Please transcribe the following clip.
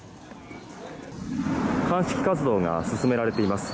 鑑識活動が進められています。